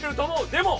でも！